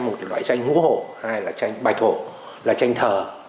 một là loại tranh ngũ hổ hai là tranh bạch hổ là tranh thờ